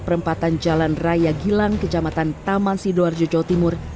perempatan jalan raya gilang kejamatan taman sidoarjo jawa timur